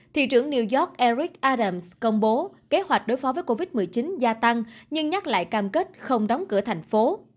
thị trưởng new york eric arams công bố kế hoạch đối phó với covid một mươi chín gia tăng nhưng nhắc lại cam kết không đóng cửa thành phố